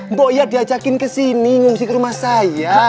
mbok ya diajakin kesini ngungsi ke rumah saya